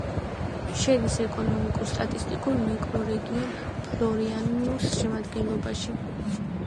შედის ეკონომიკურ-სტატისტიკურ მიკრორეგიონ ფლორიანუს შემადგენლობაში.